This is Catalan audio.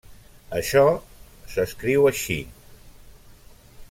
Això s'escriu així.